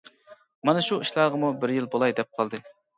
مانا شۇ ئىشلارغىمۇ بىر يىل بۇلاي دەپ قالدى.